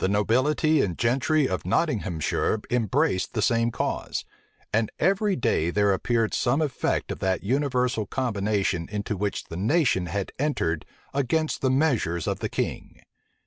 The nobility and gentry of Nottinghamshire embraced the same cause; and every day there appeared some effect of that universal combination into which the nation had entered against the measures of the king.